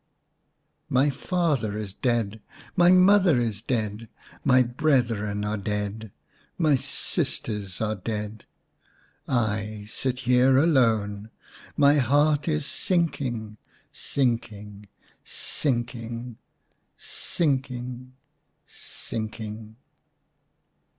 " My father is dead ; My mother is dead ; My brethren are dead ; My sisters are dead ; I sit here alone. My heart is sinking, sinking, sinking, sinking, sinking."